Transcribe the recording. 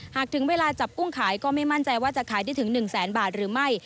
ถึงเวลาจับกุ้งขายก็ไม่มั่นใจว่าจะขายได้ถึง๑แสนบาทหรือไม่